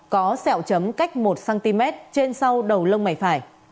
có xẹo chấm cách một cm trên sau đầu lông mạch